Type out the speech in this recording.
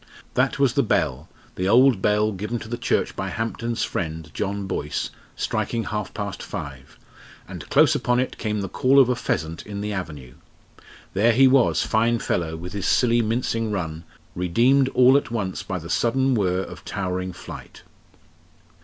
That was the bell the old bell given to the church by Hampden's friend, John Boyce striking half past five; and close upon it came the call of a pheasant in the avenue. There he was, fine fellow, with his silly, mincing run, redeemed all at once by the sudden whirr of towering flight.